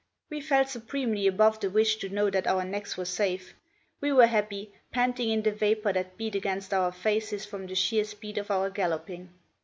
We felt supremely above the wish to know that our necks were safe; we were happy, panting in the vapour that beat against our faces from the sheer speed of our galloping.